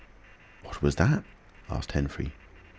"What was that?" asked Henfrey.